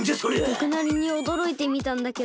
ぼくなりにおどろいてみたんだけど。